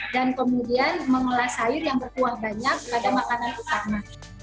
dan kemudian mengolah sayur yang berkuah banyak pada makanan utama